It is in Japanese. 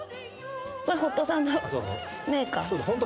これ、ホットサンドメーカー。